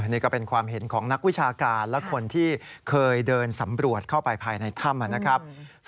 นี่ก็เป็นความเห็นของนักวิชาการและคนที่เคยเดินสำรวจเข้าไปภายในถ้ำนะครับ